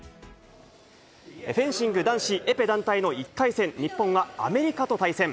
フェンシング男子エペ団体の１回戦、日本はアメリカと対戦。